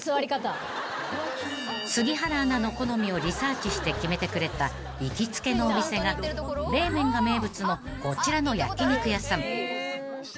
［杉原アナの好みをリサーチして決めてくれた行きつけのお店が冷麺が名物のこちらの焼き肉屋さん］